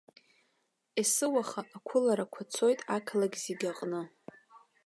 Есыуаха ақәыларақәа цоит ақалақь зегьы аҟны.